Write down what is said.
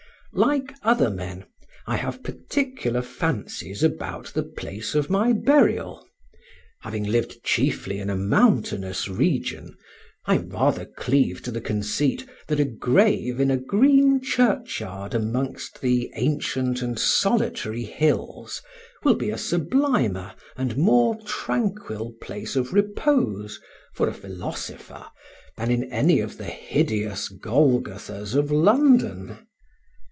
Like other men, I have particular fancies about the place of my burial; having lived chiefly in a mountainous region, I rather cleave to the conceit, that a grave in a green churchyard amongst the ancient and solitary hills will be a sublimer and more tranquil place of repose for a philosopher than any in the hideous Golgothas of London.